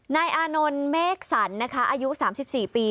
นายอานนท์เมฆศัลอายุ๓๔ปี